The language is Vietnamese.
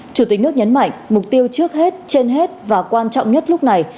chủ tịch nước nhấn mạnh mục tiêu trước hết trên hết và quan trọng nhất lúc này